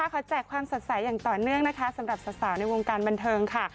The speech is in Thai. แจกความสดใสอย่างต่อเนื่องนะคะสำหรับสาวในวงการบันเทิงค่ะ